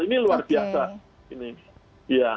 ini luar biasa